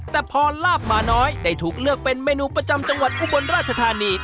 แต่พอลาบหมาน้อยได้ถูกเลือกเป็นเมนูประจำจังหวัดอุบลราชธานี